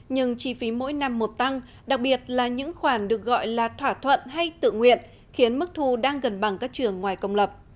nhưng chi phí mỗi năm một tăng đặc biệt là những khoản được gọi là thỏa thuận hay tự nguyện khiến mức thu đang gần bằng các trường ngoài công lập